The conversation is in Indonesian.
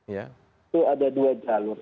itu ada dua jalur